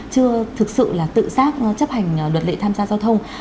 chưa thực sự là tự xác chấp hành luật lệ tham gia giao thông